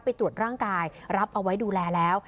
ไปตรวจร่างกายรับเอาไว้ดูแลแล้ว